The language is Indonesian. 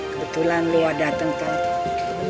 kebetulan lu ada dateng kan